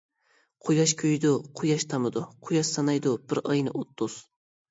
قۇياش كۆيىدۇ قۇياش تامىدۇ، قۇياش سانايدۇ بىر ئاينى ئوتتۇز.